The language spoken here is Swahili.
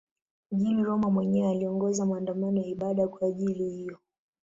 Mjini Roma mwenyewe aliongoza maandamano ya ibada kwa ajili hiyo.